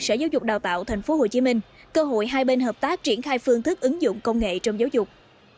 sở giáo dục đào tạo tp hcm cơ hội hai bên hợp tác triển khai phương thức ứng dụng công nghệ trong giáo dục